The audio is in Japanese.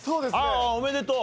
おめでとう！